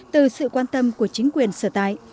từ sự quan tâm của chính quyền sở tại